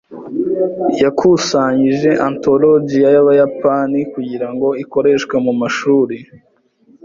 Yakusanyije anthologiya y’Abayapani kugira ngo ikoreshwe mu mashuri.